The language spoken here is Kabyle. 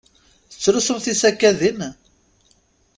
Tettlusum tisekkadin?